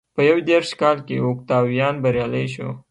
په یو دېرش کال کې اوکتاویان بریالی شو.